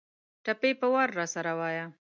ټپې په وار راسره وايه